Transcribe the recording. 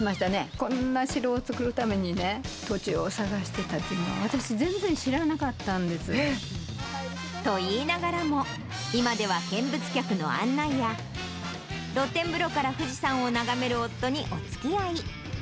こんな城を作るためにね、土地を探してたっていうのは、私、と言いながらも、今では見物客の案内や、露天風呂から富士山を眺める夫に、おつきあい。